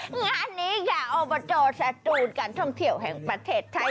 งานนี้ค่ะอบจสตูนการท่องเที่ยวแห่งประเทศไทย